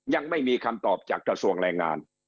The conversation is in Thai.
ยังไม่มีคำตอบจากกระทรวงแรงงาน